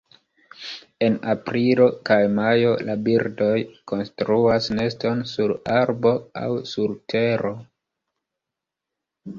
En aprilo kaj majo la birdoj konstruas neston sur arbo aŭ sur tero.